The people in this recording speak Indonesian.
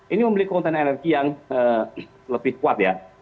ini memiliki konten energi yang lebih kuat ya